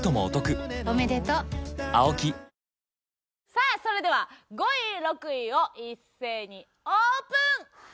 さあそれでは５位６位を一斉にオープン！